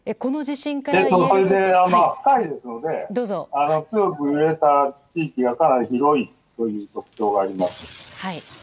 震源が深いですので強く揺れた地域がかなり広いという特徴があります。